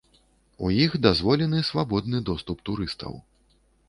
У іх дазволены свабодны доступ турыстаў.